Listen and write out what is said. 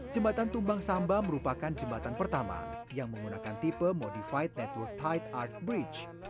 jembatan tumbang samba merupakan jembatan pertama yang menggunakan tipe modified network hide art bridge